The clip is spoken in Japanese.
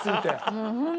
もうホントに。